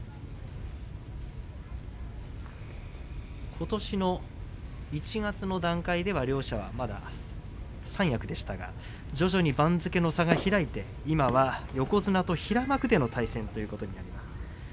ことしの１月の段階では両者はまだ三役でしたが徐々に番付の差が開いて今は横綱と平幕での対戦ということになります。